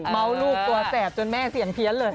เมาท์ลูกตัวแจบจนแม่เสี่ยงเพี้ยนเลย